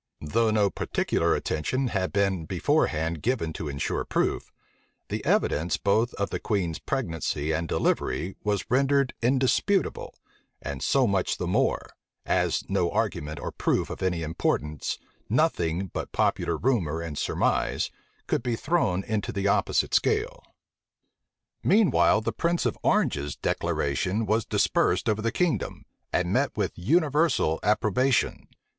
Though no particular attention had been beforehand given to insure proof, the evidence both of the queen's pregnancy and delivery was rendered indisputable and so much the more, as no argument or proof of any importance, nothing but popular rumor and surmise, could be thrown into the opposite scale. Meanwhile the prince of Orange's declaration was dispersed over the kingdom, and met with universal approbation.